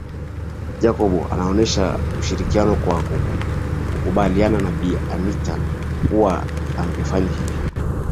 Jacob alionyesha ushirikiano kwa kukubaliana na Bi Anita kuwa angefanya hivyo